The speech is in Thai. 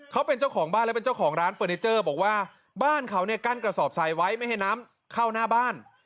เขาเป็นเจ้าของบ้านและเป็นเจ้าของร้านเฟอร์นิเจอร์บอกว่าบ้านเขาเนี่ยกั้นกระสอบทรายไว้ไม่ให้น้ำเข้าหน้าบ้าน